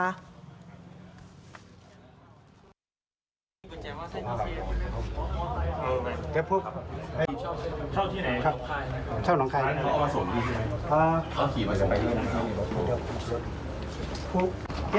ชอบที่ไหนชอบหนองคลาย